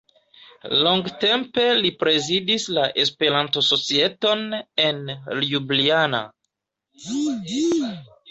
Longtempe li prezidis la Esperanto-societon en Ljubljana.